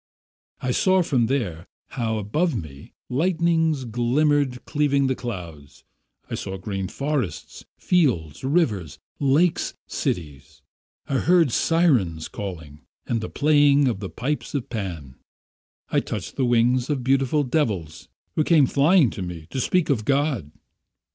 I saw from there how above me lightnings glimmered cleaving the clouds; I saw green forests, fields, rivers, lakes, cities; I heard syrens singing, and the playing of the pipes of Pan; I touched the wings of beautiful devils who came flying to me to speak of God...